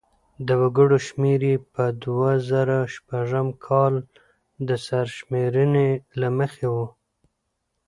د وګړو شمېر یې په دوه زره شپږم کال د سرشمېرنې له مخې و.